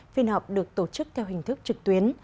phiên họp được tổ chức theo hình thức trực tuyến